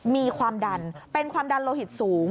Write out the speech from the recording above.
มีความดันเป็นความดันโลหิตสูง